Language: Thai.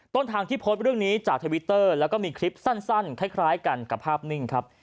ต้นทางที่โพสต์เรื่องนี้จากทวิตเตอร์แล้วก็มีคลิปสั้นคล้ายกันกับภาพนิ่งครับ